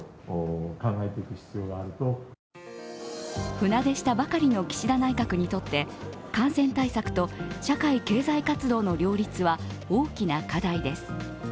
船出したばかりの岸田内閣にとって、感染対策と社会経済活動の両立は大きな課題です。